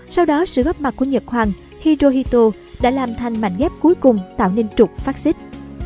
sau đó sự góp mặt của nhật hoàng hirohito đã làm thành mạnh ghép cuối cùng tạo nên trục fascist